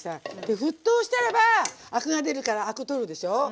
で沸騰したらばアクが出るからアクを取るでしょう。